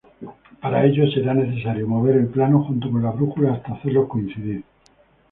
Para ello, será necesario mover el plano junto con la brújula hasta hacerlos coincidir.